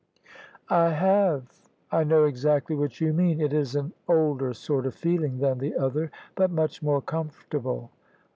" I have : I know exactly what you mean. It is an older sort of feeling than the other, but much more comfortable."